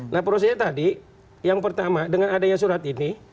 nah prosesnya tadi yang pertama dengan adanya surat ini